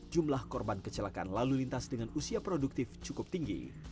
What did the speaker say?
jumlah korban kecelakaan lalu lintas dengan usia produktif cukup tinggi